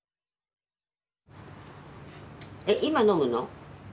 えっ今飲むの？